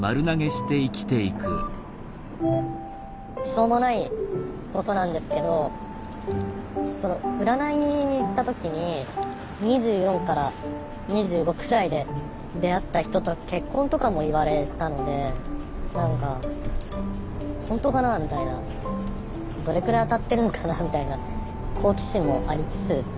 しょうもないことなんですけど占いに行った時に２４から２５くらいで出会った人と結婚とかも言われたので何か本当かなあみたいなどれくらい当たってるのかなあみたいな好奇心もありつつって感じですね。